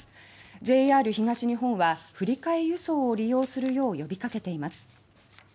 ＪＲ東日本は振り替え輸送を利用するよう呼びかけています。